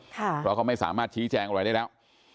เพราะเขาไม่สามารถชี้แจงอะไรได้แล้ว